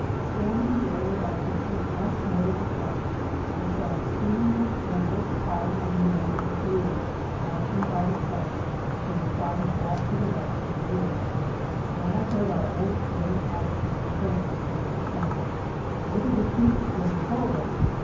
Standing there with our faces once more to the front, I saw a seemingly endless column of men in blue, marching by the flank, who were filing off to the right through the woods, and I heard our old German adjutant, Cramer, say to the colonel, "Dose are de troops of Sheneral Hurlbut.